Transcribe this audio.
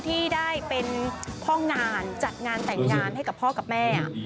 ที่ได้เป็นพ่องานจัดงานแต่งงานให้กับพ่อกับแม่